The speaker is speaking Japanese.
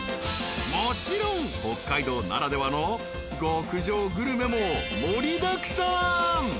［もちろん北海道ならではの極上グルメも盛りだくさん！］